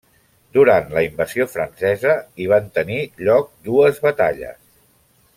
Durant la invasió francesa hi van tenir lloc dues batalles.